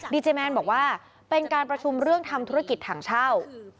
ดีเจแมนบอกว่าเป็นการประชุมเรื่องทำธุรกิจถังเช่า